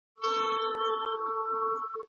که زده کړه په مورنۍ ژبه نه وي ماشوم ګنګس کيږي.